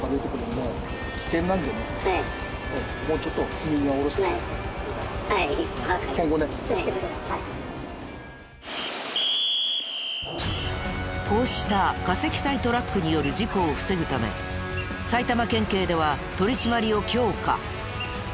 過積載をしたのはこうした過積載トラックによる事故を防ぐため埼玉県警では取り締まりを強化。